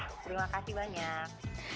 terima kasih banyak